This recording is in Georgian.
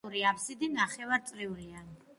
ცენტრალური აფსიდი ნახევარწრიულია.